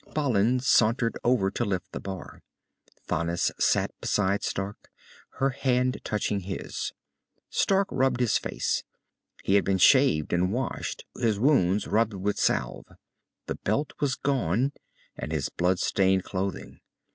Balin sauntered over to lift the bar. Thanis sat beside Stark, her hand touching his. Stark rubbed his face. He had been shaved and washed, his wounds rubbed with salve. The belt was gone, and his blood stained clothing.